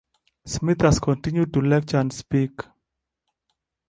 Smith has continued to lecture and speak.